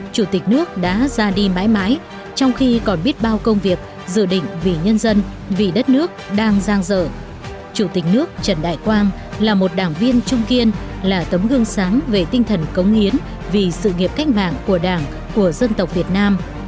chủ tịch nước trần đại quang là một đảng viên trung kiên là tấm gương sáng về tinh thần cống yến vì sự nghiệp cách mạng của đảng của dân tộc việt nam